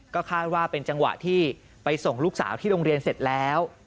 ก็คาดว่าเป็นจังหวะที่ไปส่งลูกสาวที่โรงเรียนเสร็จแล้ว